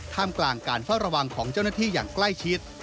กลางการเฝ้าระวังของเจ้าหน้าที่อย่างใกล้ชิด